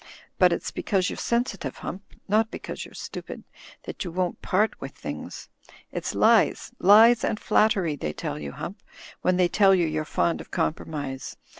But it's because you're sensitive. Hump, not because you're stupid, that you won't part with things. It's lies, lies and flattery they tell you, Hump, when they tell you you're fond of compromise.